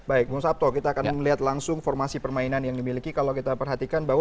baik bung sabto kita akan melihat langsung formasi permainan yang dimiliki kalau kita perhatikan bahwa